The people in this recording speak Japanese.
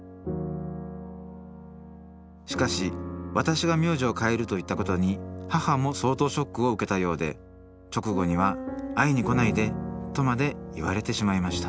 しかし私が名字を変えると言ったことに母も相当ショックを受けたようで直後には「会いに来ないで」とまで言われてしまいました